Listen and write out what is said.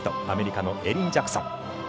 アメリカのエリン・ジャクソン。